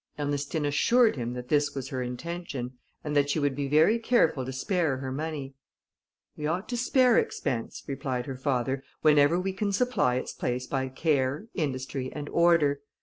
Ernestine assured him that this was her intention, and that she would be very careful to spare her money. "We ought to spare expense," replied her father, "whenever we can supply its place by care, industry, and order.